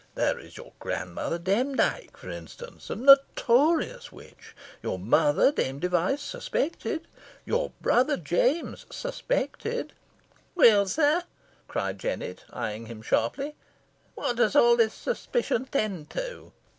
There is your grandmother Demdike, for instance, a notorious witch your mother, Dame Device, suspected your brother James suspected." "Weel, sir," cried Jennet, eyeing him sharply, "what does all this suspicion tend to?"